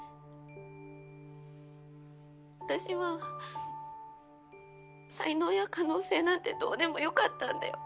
私は才能や可能性なんてどうでもよかったんだよ。